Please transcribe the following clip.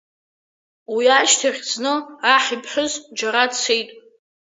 Уи ашьҭахь зны аҳ иԥҳәыс џьара дцеит…